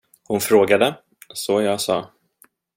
Hon frågade, så jag sa.